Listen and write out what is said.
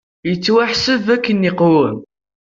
Yettwaḥseb akken iqwem!